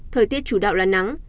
thời tiết chủ đạo là nắng